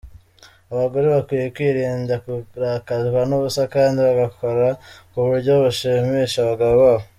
Abagore bakwiye kwirinda kurakazwa n’ubusa kandi bagakora ku buryo bashimisha abagabo babo.